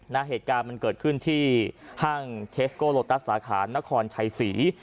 เหตุการณ์มันเกิดขึ้นที่ห้างเทสโกโลตัสสาขานครชัยศรี